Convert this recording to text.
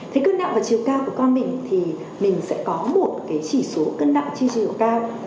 thì cân nặng và chiều cao của con mình thì mình sẽ có một cái chỉ số cân nặng chi chiều cao